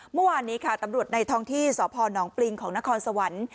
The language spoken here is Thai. เมื่อวานนี้ค่ะตำรวจในท้องที่สพนปริงของนครสวรรค์